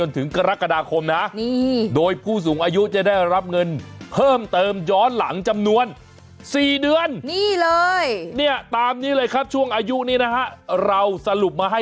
ตอนนี้มันก็เงินอยู่นะ